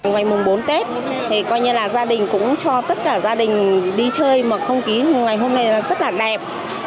ngày mùng bốn tết gia đình cũng cho tất cả gia đình đi chơi không khí ngày hôm nay rất đẹp